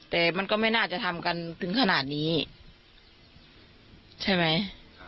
แต่มันก็ไม่น่าจะทำกันถึงขนาดนี้ใช่ไหม